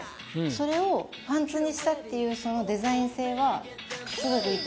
それをパンツにしたっていうそのデザイン性は。